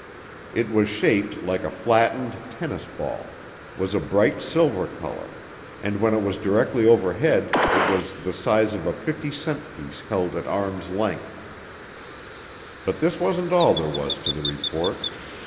It was shaped like a "flattened tennis ball," was a bright silver color, and when it was directly overhead it was "the size of a 50 cent piece held at arm's length." But this wasn't all there was to the report.